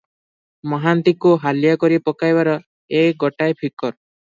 ମହାନ୍ତିଙ୍କୁ ହାଲିଆ କରି ପକାଇବାର ଏ ଗୋଟାଏ ଫିକର ।